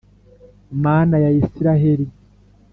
Mana ya Israheli,